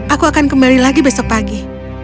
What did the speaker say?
aku akan kembali lagi besok pagi